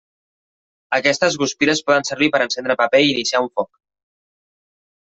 Aquestes guspires poden servir per encendre paper i iniciar un foc.